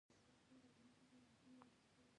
لګښتونه باید له بودیجې سره سم تنظیم شي.